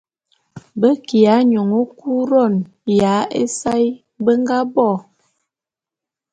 Be kiya nyône Couronne ya ésae be nga bo.